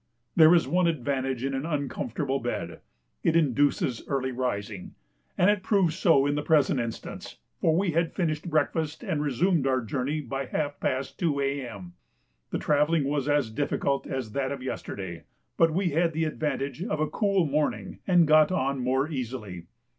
There is one advantage in an uncomfortable bed; it induces early rising, and it proved so in the present instance, for we had finished breakfast and resumed our journey by half past 2 A.M. The travelling was as difficult as that of yesterday, but we had the advantage of a cool morning and got on more easily.